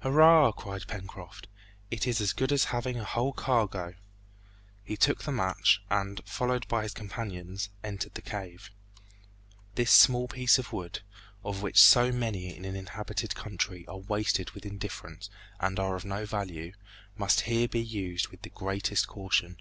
"Hurrah!" cried Pencroft; "it is as good as having a whole cargo!" He took the match, and, followed by his companions, entered the cave. This small piece of wood, of which so many in an inhabited country are wasted with indifference and are of no value, must here be used with the greatest caution.